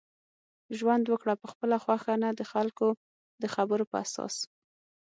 ژوند وکړه په خپله خوښه نه دخلکو دخبرو په اساس